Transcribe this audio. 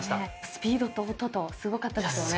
スピードと音とすごかったですよね。